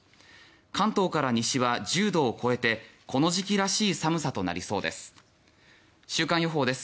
関東から西は１０度を超えてこの時期らしい寒さとなりそうです。